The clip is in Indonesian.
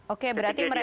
oke berarti mereka